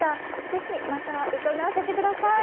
是非また伺わせてください。